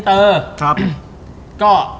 ไปสระอุก